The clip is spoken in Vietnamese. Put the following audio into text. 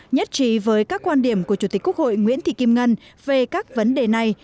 nhất trí với các quan điểm của chủ tịch quốc hội nguyễn thị kim ngân về các vấn đề này